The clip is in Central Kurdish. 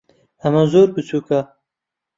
ئەمە زۆر بچووکە.